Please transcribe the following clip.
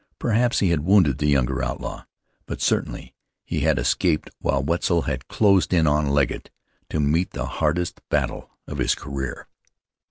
Perhaps he had wounded the younger outlaw; but certainly he had escaped while Wetzel had closed in on Legget to meet the hardest battle of his career.